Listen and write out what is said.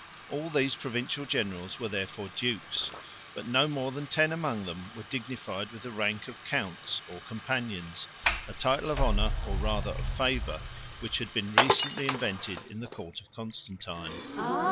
All these provincial generals were therefore dukes; but no more than ten among them were dignified with the rank of counts or companions, a title of honor, or rather of favor, which had been recently invented in the court of Constantine.